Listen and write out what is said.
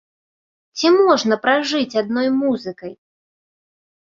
Ці можна пражыць адной музыкай?